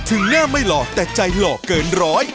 หน้าไม่หล่อแต่ใจหล่อเกินร้อย